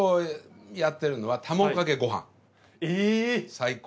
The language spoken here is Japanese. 最高。